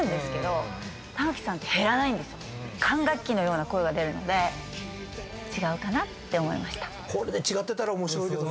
管楽器のような声が出るので違うかなって思いました。